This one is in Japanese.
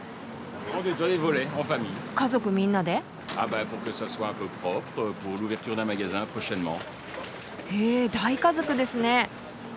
家族みんなで？へ大家族ですね。